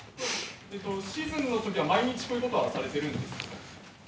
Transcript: シーズンのときは毎日こういうことはされているんですか。